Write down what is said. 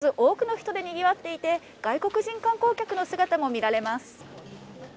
鎌倉は平日にもかかわらず、多くの人でにぎわっていて、外国人観光客の姿も見られます。